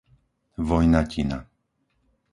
Vojnatina